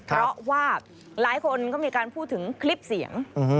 เพราะว่าหลายคนก็มีการพูดถึงคลิปเสียง